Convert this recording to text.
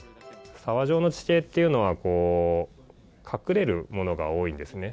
沢状の地形っていうのは、隠れるものが多いんですね。